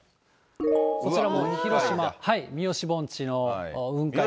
こちらも広島・三次盆地の雲海です。